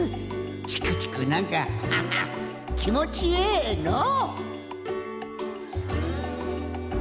チクチクなんかハハッきもちええのう。